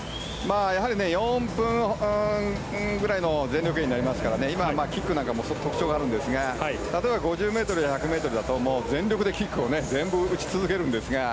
４分ぐらいの全力泳になりますから今、キックなんかも特徴があるんですが例えば５０ｍや１００ｍだと全力でキックを打ち続けるんですが。